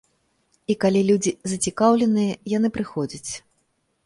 І калі людзі зацікаўленыя, яны прыходзяць.